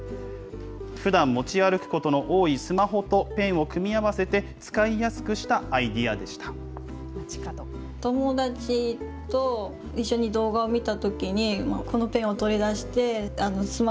ふだん持ち歩くことの多いスマホとペンを組み合わせて、使いやすくしたアイデアでした。